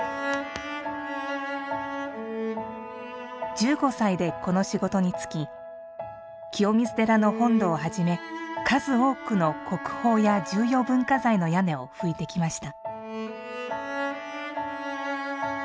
１５歳で、この仕事につき清水寺の本堂をはじめ数多くの国宝や重要文化財の屋根を葺いてきました。